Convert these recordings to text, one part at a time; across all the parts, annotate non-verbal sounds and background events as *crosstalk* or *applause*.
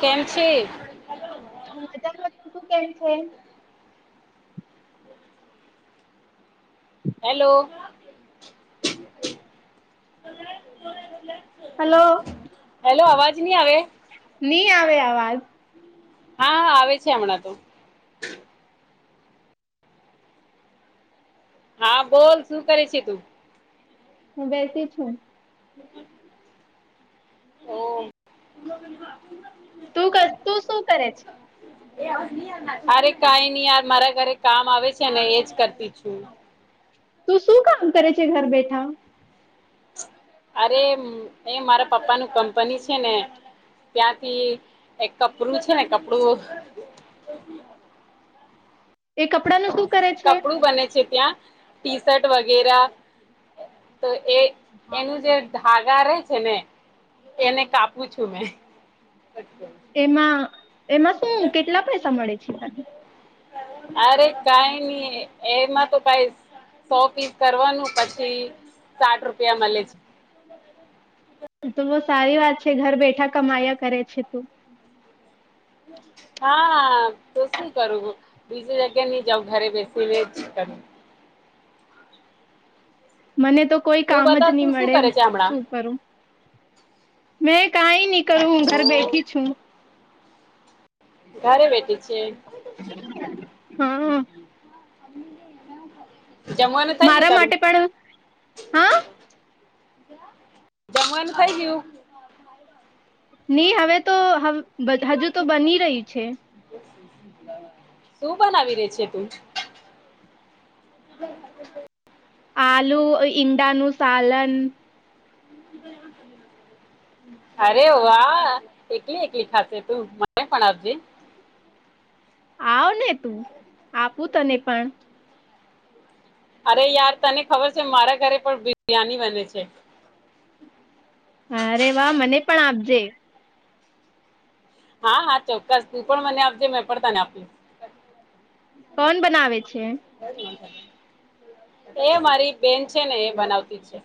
કેમ છે. હું મજામાં છું તું કેમ છે? હેલો હલો હેલો અવાજ ની આવે ની આવે આવાજ હા હા આવે છે હમણાં તો હા બોલ શું કરે છે તું? હું બેસી છું. હમ *unintelligible* ઓમ તું કરતી તું શું કરે છે? અરે કઈ નઈ યાર મારા ઘરે કામ આવે છે એજ કરતી છું તું શું કામ કરે છે ઘર બેઠા અરે એ મારા પપ્પા નું કંપની છે ને ત્યાંથી એક કપડું છે ને કપડું એ કપડાનું શું કરે છે કપડું બને છે ત્યાં ટી શર્ટ વગેરા તો એ એનું જે ધાગા રે છે ને એને કાપું છું મેં એમાં એમાં શું કેટલા પૈસા મળે છે તને અરે કઈ નઈ એમાં તો કઈ સો પીસ કરવાનું પછી સાઠ રૂપિયા મલે છે. તો બહુ સારી વાત છે ઘર બેઠા કમાયા કરે છે તું. હા તો શું કરું હું બીજી જગ્યાએ ની જઉ ઘરે બેસી ને જ કરુ મને તો કોઈ તું કામ જ બતાવ તું નહી શું મળે કરે હું છે હમણાં શું કરું મેં કાંઈ ની કરું ઓ ઘર બેઠી છું ઘરે બેઠી છે. હા જમવાનું થય ગયુ મારા માટે તારું પણ હા જમવાનું થઈ ગયું. ની હવે તો હમ બધા હજુ તો બની રહયું છે. શું બનાવી રે છે તું બ *unintelligible* આલુ ઇ ઈંડાનું સાલન *unintelligible* *inaudible* અરે વાહ એકલી એકલી ખાશે તું મને પણ આપજે આવ ને તું આપું તને પણ અરે યાર તને ખબર છે મારા ઘરે પણ બિરયાની બને છે. અરે વાહ મને પણ આપજે હા હા ચોક્કસ તું પણ મને આપજે મેં પણ તને આપુ. કોણ બનાવે છે. એ મારી બેન છે ને એ બનાવતી છે.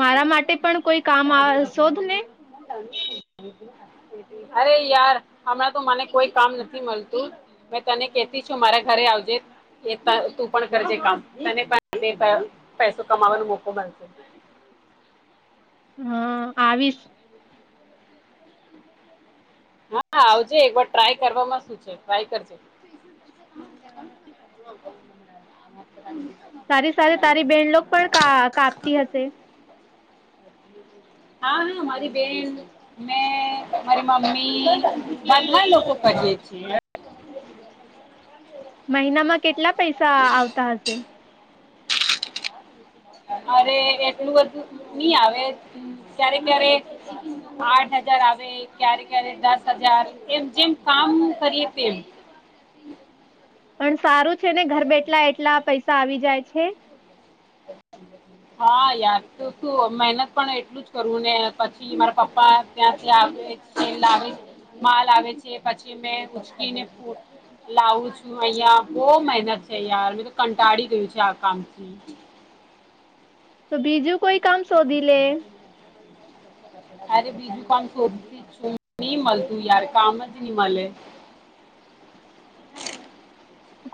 મારા માટે પણ કોઈ કામ શોધ ને *inaudible* અરે યાર હમણાં તો મને કોઈ કામ નથી મળતું. મે તને કેતી છું મારા ઘરે આવજે એ તું પણ કરજે કામ તને પણને પૈસો કમાવાનો મોકો મળશે હા આવીશ. હા આવજે એક વાર ટ્રાય કરવામાં શું છે ટ્રાય કરજે *inaudible* *inaudible* તારી સાથે તારી બેહેન લોક પણ કાપતી હશે. હા હા મારી બેન મેં મારી મમ્મી. બધા લોકો કરીયે છીએ મહિનામાં કેટલા પૈસા આવતા હશે. અરે એટલું બધું નહી આવે ક્યારે ક્યારે- - આઠ હજાર આવે. ક્યારે ક્યારે દસ હજાર એમ જેમ કામ કરીએ એમ- - પણ સારું છે ને ઘર બેઠલા એટલા પૈસા આવી જાય છે. હા યાર તો શું મહેનત પણ એટલું- - કરું ને પછી મારા પપ્પા ત્યાંથી આવે આવે- - માલ આવે છે પછી મેં એને - લાવું છું અહિયાં બઉ મહેનત છે યાર મે તો કંટાળી ગયું છે આ કામથી- - તો બીજું કોઈ કામ શોધી લે. અરે બીજું કામ શોધથી છું નહી મળતું યાર કામ જ ની મળે.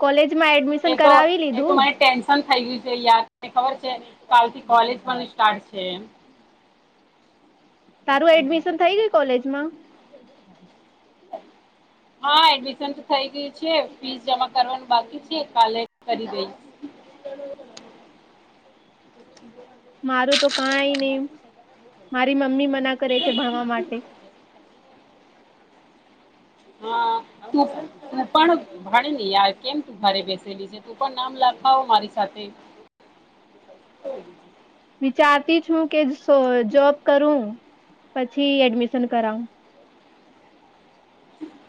કોલેજ માં એડમિશન કરાવી લીધું. પસંદ થઈ ગયું છે યાને ખબર છે કાલથી કોલેજ પણ સ્ટાર્ટ છે એ. તારું એડમિશન થઈ ગયુ કોલેજમાં? હા એડમિશન તો થઇ ગયુ છે ફીસ જમા કરવાનું બાકી છે કાલેજ કરી લઈ. મારું તો કઈ નહી મારી મમ્મી મના કરે છે ભણવા માટે- - હા તું તું પણ ભણી નહી યાર કેમ તું તારી બહેન ને લીધે તું પણ નામ લખવા હો મારી સાથે. વિચારતી છું કે જોબ કરું પછી એડમિશન કરાવું.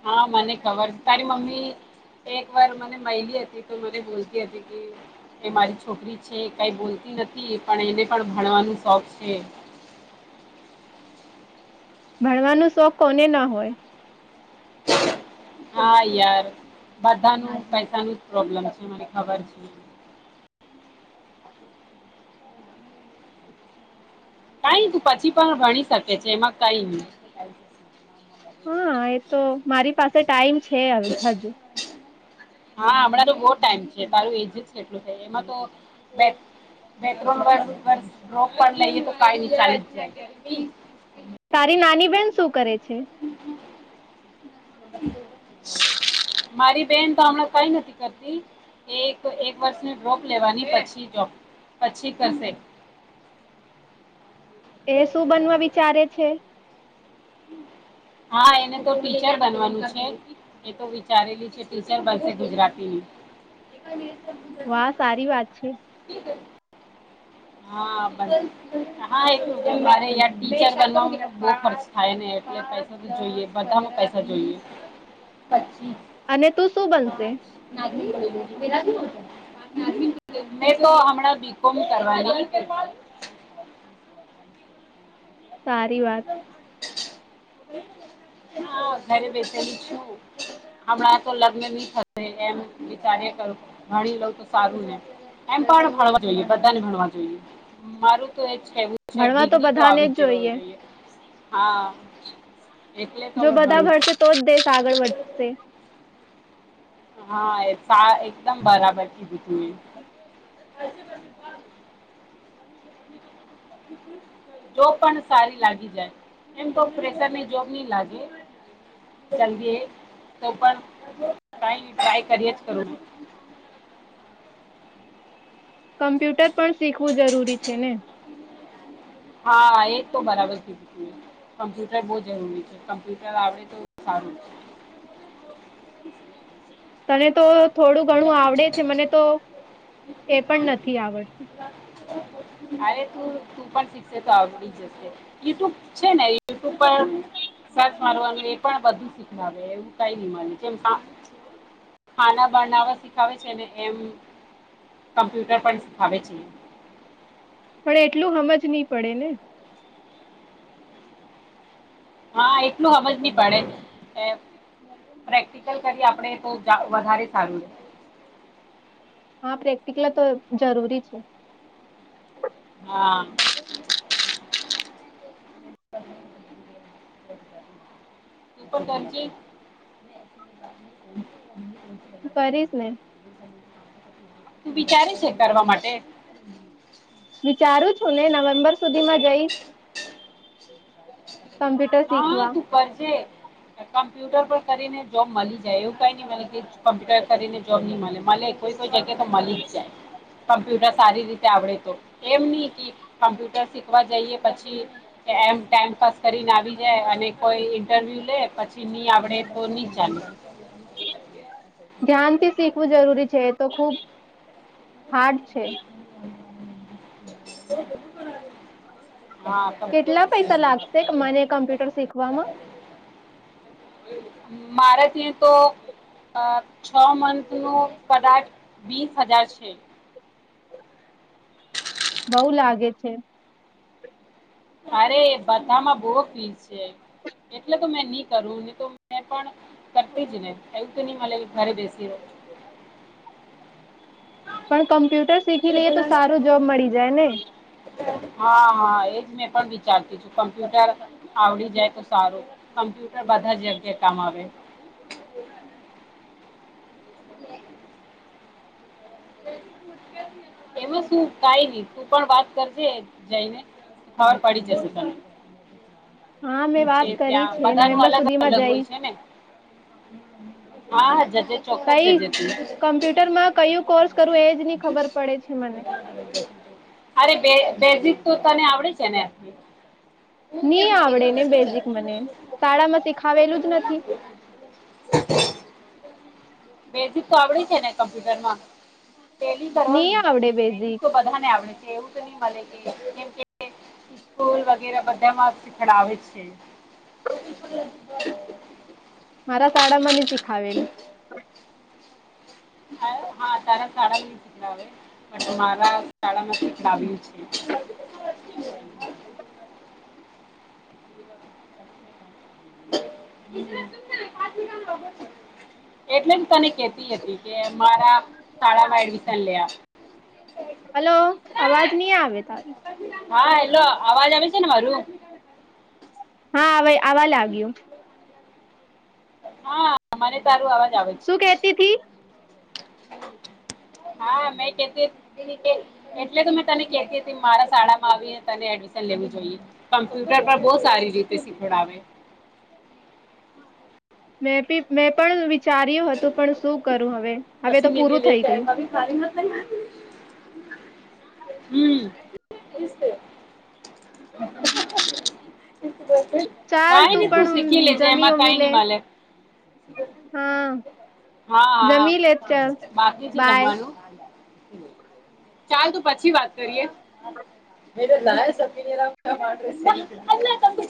હા મને ખબર તારી મમ્મી- - એક વાર મને મહિલી હતી તો મને બોલતી હતી કે- - કે મારી છોકરી છે કાંઈ બોલતી નથી પણ એને પણ ભણવાનું શોખ છે. ભણવાનું શોખ કોને ના હોય. હા યાર- - બધા નુ પૈસા નુ જ પ્રોબ્લેમ હોયે છે મને ખબર છે. કઈ તું પછી પણ ભણી શકે છે એમાં કઈ નહી. હા એ તો મારી પાસે ટાઈમ છે હજુ. હા હમણાં તો બહુ ટાઈમ છે તારું *unintelligible* હતો *unintelligible* તારી નાની બેેન શું કરે છે. મારી બેન તો હમણાં કઈ નથી કરતી. એક એક વર્ષની ડ્રોપ લેવાની પછી જોબ પછી કરશે. એ શું બનવા વિચારે છે. હા એને તો ટીચર બનવાનું છે. એ તો વિચારેલી છે ટીચર બનહે ગુજરાતીની- - વાહ સારી વાત છે. *inaudible* હા બ હા, એ મારેય બ ટીચર બનવામાં બહુ ખર્ચ થાય ને એટલે પૈસા જોઈએ બધા ન પૈસા જોઈએ પચી અને તું શું બનશે? એટલો હમણાં બી કોમ કર ના જણ કે સારી વાત હ ઘરે બેસેલું છું હમણાં તો લગ્ન બી થશે એમ વિચાર કર ભણી લઉ તો સારું ને એમ પણ ભણવા જોઈએ બધાને ભણવા જોઈએ. મારું તો એજ કેવું છે ડિગ્રી તો આવી જ જવ જોઈએ. હા, એટલે તો જો મેં બધા ભણું ભણશે તો દેશ આગળ વધશે. હા, સા એકદમ બરાબર કીધી તું એ. *inaudible* જોબ પણ સારી લાગી જાય એમ તો પ્રેશરની જોબ નહી લાગે. જલ્દી એ તો પણ કઈ ટ્રાય કરીએ જ કરો કમ્પ્યુટર પણ શીખવું જરૂરી છે ને. હા, એ તો બરાબર કીધું તમે. કમ્પ્યુટર બહુ જરૂરી છે કમ્પ્યુટર આવડે તો સારું છે. તને તો થોડું ઘણું ઘણું આવડે છે, મને તો એ પણ નથી આવડશે. અરે તું તું પણ શીખશે તો આવડી જ યુટ્યુબ છે ને યુટ્યુબ પર સર્ચ મારવાનું એ પણ બધું શીખવાનું એવું કઈ ન માનેમ કેમ આ ખાના બનાવવા સીખાવે છે ને એમ કમ્પ્યુટર પણ સીખાવે છે ઈ. પણ એટલું હમજ નહી પડે ને. હા, એટલું હમજ નહી પડે. એ પ્રેક્ટિકલ કરીએ આપડે તો જા વધારે સારું રેહ. હા, પ્રેક્ટિકલ તો જરૂરી છે. હા. તું પણ તેમ ચી કરીશ ને. તું વિચારે છે, કરવા માટે? વિચારું છું ને નવેમ્બર સુધીમાં જઈશ. કમ્પ્યુટર હા, શીખવા તું કરજે ને કોમ્પ્યુ ટર પર કરીને જોબ મળી જાય એવું કઈ નહીં મલે કે કમ્પ્યુટર કરીને જોબ નહીં મલે મલે કોઈ તો જગે તો મલીજ જાય કમ્પ્યુટર સારી રીતે આવડે તો એમ નહી કી કમ્પ્યુટર શીખવા જઈએ પછી કે એમ ટાઈમપાસ કરીને આવી જાય અને કોઈ ઇન્ટરવ્યુ લે પછી ની આવડે તો નહી જાની ધ્યાનથી શીખવું જરૂરી છે એ તો ખુબ હાર્ડ છે. *unintelligible* કેટલા કમ્પ્યુટર પૈસા શીખવી લાગશે કે મને કમ્પ્યુટર શીખવામાં? મારે થી તો અહ છો મંથનો કદાચ વીસ હજાર છે. બઉ લાગે છે. અરે બધામાં બહુ ફીસ છે એટલે તો મેં નહી કરું ને તો મે પણ કરતી જ ને એવું તો નહીં મલે કે ઘરે બેસી રહું. પણ કમ્પ્યુટર શીખી લઈએ તો સારું જોબ મળી જાય ને? હા હા એજ મેં પણ વિચારતી થી કમ્પ્યુટર આવડી જાય તો સારું. કમ્પ્યુટર બધા જ જગ્યા કામ આવે. *unintelligible* એમાં શું કઈ નઈ તું પણ વાત કરજે જઈને ખબર પડી જશે તને. હા મેં છે વાત કરી ત્યાં છે બધા નુ નવેમ્બર અલગ સુધીમાં અલગ હોય જઈશ છે, ને. હા જતે કઈ કમ્પ્યુટરમાં કયું કોર્સ કરવું એજ નની ખબર પડે છે મને. અરે બે બેઝિક તો તને આવડે છે, ને. ની આવડે ને બેઝિક મને શાળા માં શીખાવેલું જ નથી બેઝિક તો આવડે છે, ને કમ્પ્યુટરમાં ટેલી ની કરવાનું આવડે બેઝિક તો બધા ને આવડે છે. એવું તો નહી મલે કે કેમ કે સ્કૂલ વગેરે બ. તેમા શિખડાવે છે. મારા શાળા માં મને શીખાવેલું. હા હા તારા શાળમા શિખડાવે. બટ મારા શાળામાં શિખડાવયુ છે. એટલે તને. કેતી હતી કે મારા શાળામાં એડમિશન લેયા. હલો અવાજ નહી આવે તારો. હા હેલો અવાજ આવે છે ને મારો. હા હવે આવા લાગ્યું. હા મને તારું અવાજ આવે છે. શું કેતી તી *unintelligible* હા મે કેતી કે. એટલે તો મેં તને કેતી હતી કે મારા શાળામાં આવીને તને એડમિશન લેવું જોઈએ. કમ્પ્યુટર પર બહુ સારી રીતે શીખડાવે. મેંપી મેં પણ વિચાર્યું હતું પણ શું કરું હવે હવે પછી તો મેરી પૂરું લે થઈ ગયું. હમ. *unintelligible* ચાલ કઈ નઈ તું પણ શીખી લેજે એમાં કઈ નઈ મલે. હમ. હા હા બાકી છે બાય જમવાનું? ચાલ તો પછી વાત કરીએ એ નારા *inaudible*